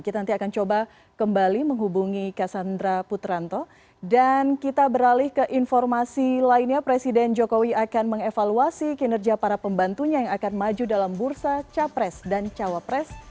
kita nanti akan coba kembali menghubungi cassandra putranto dan kita beralih ke informasi lainnya presiden jokowi akan mengevaluasi kinerja para pembantunya yang akan maju dalam bursa capres dan cawapres